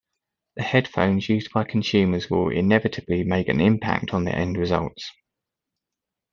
The headphones used by consumers will inevitably make an impact on the end results.